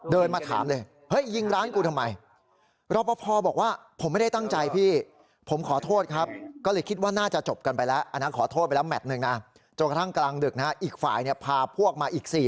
เดินมาถามเลยว่ายิงร้านคุณทำไม